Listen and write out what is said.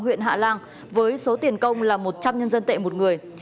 huyện hạ lan với số tiền công là một trăm linh nhân dân tệ một người